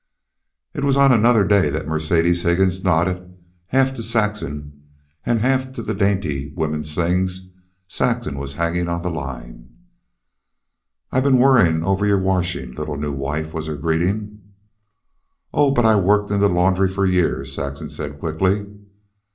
It was on another day that Mercedes Higgins nodded, half to Saxon, and half to the dainty women's things Saxon was hanging on the line. "I've been worrying over your washing, little new wife," was her greeting. "Oh, but I've worked in the laundry for years," Saxon said quickly.